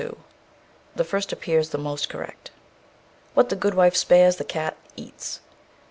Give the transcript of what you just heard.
The first appears the most correct. _What the good wife spares the cat eats.